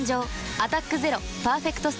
「アタックＺＥＲＯパーフェクトスティック」